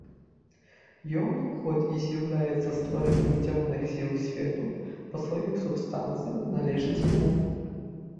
Ён, хоць і з'яўляецца стварэннем цёмных сіл свету, па сваёй субстанцыі не належыць яму.